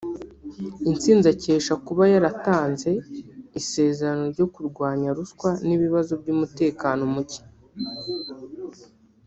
intsinzi akesha kuba yaratanze isezerano ryo kurwanya ruswa n’ibibazo by’umutekano muke